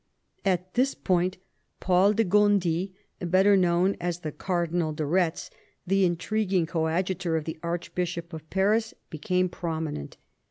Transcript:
At this point Paul de Gondi, better known as the Cardinal de Ketz, the intriguing coadjutor of the Archbishop of Paris, became prominent.